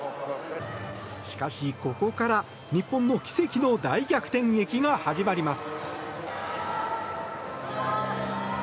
しかし、ここから日本の奇跡の大逆転劇が始まります。